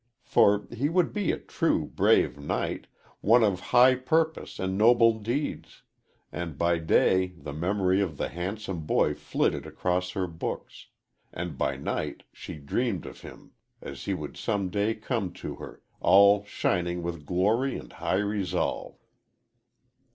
For he would be a true, brave knight, one of high purpose and noble deeds; and by day the memory of the handsome boy flitted across her books, and by night she dreamed of him as he would some day come to her, all shining with glory and high resolve."